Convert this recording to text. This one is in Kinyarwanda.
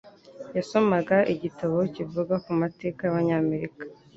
Yasomaga igitabo kivuga ku mateka y'Abanyamerika.